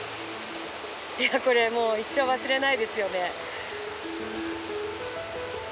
いやぁこれもう一生忘れないですよね。